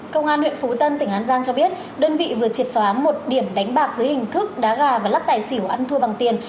công an huyện phú tân tỉnh an giang cho biết đơn vị vừa triệt xóa một điểm đánh bạc dưới hình thức đá gà và lắc tài xỉu ăn thua bằng tiền